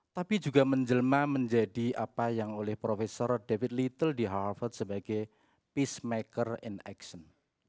tapi juga menjelma menjadi apa yang oleh profesor david little di harvard sebagai peace maker in action